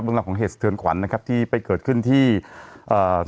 เรื่องราวของเหตุสะเทือนขวัญนะครับที่ไปเกิดขึ้นที่เอ่อ